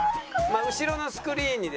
後ろのスクリーンにですね